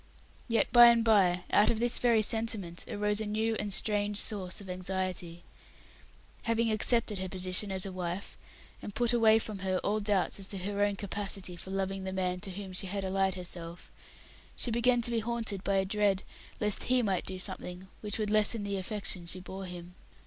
Yet by and by out of this sentiment arose a new and strange source of anxiety. Having accepted her position as a wife, and put away from her all doubts as to her own capacity for loving the man to whom she had allied herself, she began to be haunted by a dread lest he might do something which would lessen the affection she bore him.